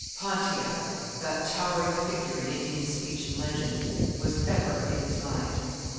Pontiac, that towering figure in Indian speech and legend, was ever in his mind.